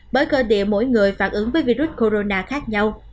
bởi cơ địa mỗi người phản ứng với virus corona khác nhau